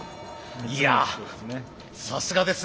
いやさすがですね。